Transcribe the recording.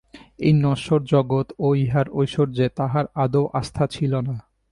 এই নশ্বর জগৎ ও ইহার ঐশ্বর্যে তাঁহার আদৌ আস্থা ছিল না।